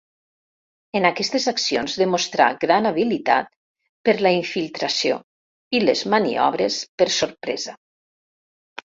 En aquestes accions demostrà gran habilitat per la infiltració i les maniobres per sorpresa.